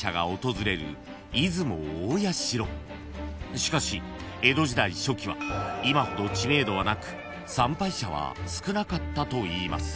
［しかし江戸時代初期は今ほど知名度はなく参拝者は少なかったといいます］